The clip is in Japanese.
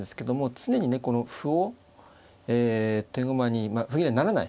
常にねこの歩をえ手駒に歩切れにはならない。